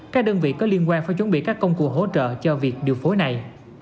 các đơn vị có liên quan phải chuẩn bị các công cụ hỗ trợ cho việc điều phối này